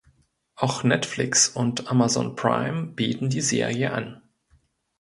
Auch Netflix und Amazon Prime bieten die Serie an.